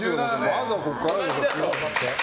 まずはここから。